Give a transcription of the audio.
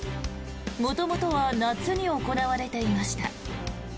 元々は夏に行われていました。